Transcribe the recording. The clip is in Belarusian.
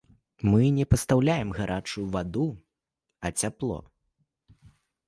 Мы не пастаўляем гарачую ваду, а цяпло.